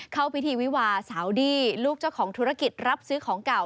เข้าพิธีวิวาสาวดี้ลูกเจ้าของธุรกิจรับซื้อของเก่า